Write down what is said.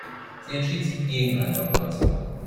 Sie entschied sich gegen eine Operation.